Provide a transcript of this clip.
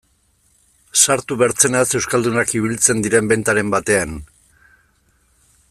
Sartu bertzenaz euskaldunak ibiltzen diren bentaren batean...